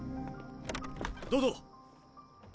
どうぞ。